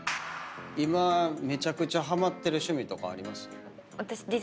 今めちゃくちゃハマってる趣味とかあります？